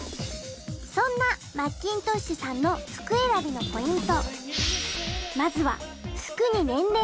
そんなマッキントッシュさんの服選びのポイント。